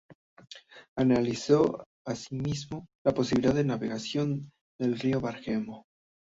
Analizó asimismo la posibilidad de navegación del río Bermejo.